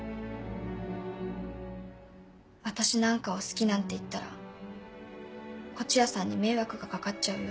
「私なんかを好きなんて言ったら東風谷さんに迷惑がかかっちゃうよ」